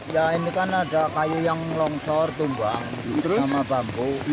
ya ini kan ada kayu yang longsor tumbang sama bambu